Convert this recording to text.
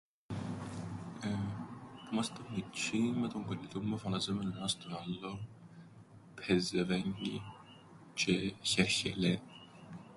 Που 'μασταν μιτσ̆ιοί με τον κολλητόν μου εφωνάζαμεν ο ΄ενας τον άλλον ππεζεβέγκην τζ̆αι χερχελέν.